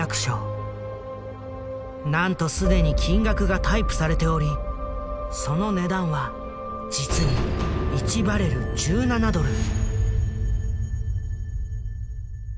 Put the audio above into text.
なんと既に金額がタイプされておりその値段は実に１バレルイザーディから。